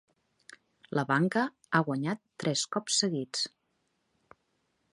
La banca ha guanyat tres cops seguits.